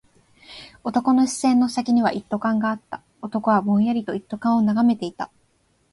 男の視線の先には一斗缶があった。男はぼんやりと一斗缶を眺めていた。